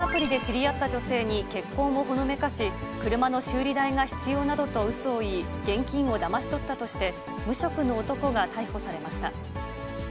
婚活アプリで知り合った女性に結婚をほのめかし、車の修理代が必要などとうそを言い、現金をだまし取ったとして、無職の男が逮捕されました。